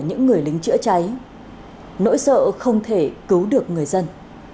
những người lính chữa cháy nỗi sợ không thể cứu được người dân